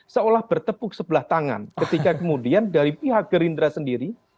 seolah bertepuk sebelah tangan ketika kemudian dari pihak gerindra sendiri